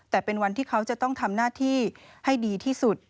แต่เป็นวันที่เขาจะต้องทำหน้าที่ให้ดีที่สุด